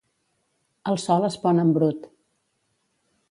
El sol es pon en brut.